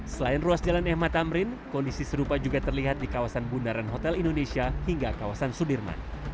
selain ruas jalan mh tamrin kondisi serupa juga terlihat di kawasan bundaran hotel indonesia hingga kawasan sudirman